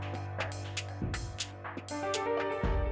mereka pasti akan terpisah